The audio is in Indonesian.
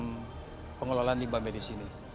dalam pengelolaan limbah medis ini